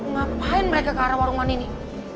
ngapain mereka ke arah warung mani ini